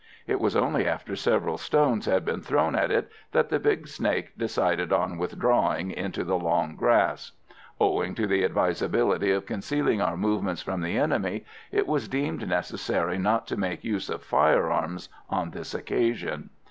It was only after several stones had been thrown at it that the big snake decided on withdrawing into the long grass. Owing to the advisability of concealing our movements from the enemy, it was deemed necessary not to make use of firearms on this occasion.